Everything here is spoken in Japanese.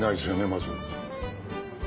まず。